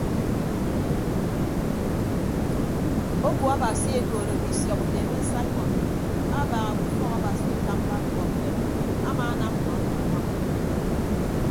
Oku abasi ekoodo bisiọp udeeme saimọn abaaha ke ufọk abasi ekamba mbuọtidem amaanam nọ emi añwaña.